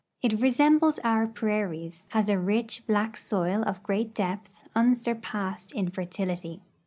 It resembles our ])rairies ; has a rich, l)lack soil of great depth, unsurpassed in fertility.